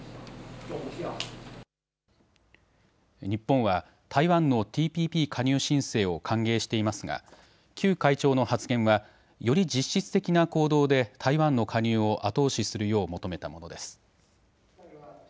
日本は台湾のＴＰＰ加入申請を歓迎していますが邱会長の発言は、より実質的な行動で台湾の加入を後押しするよう求めたものです。